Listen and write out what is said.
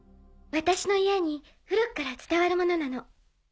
私の家に古くから伝わるものなの。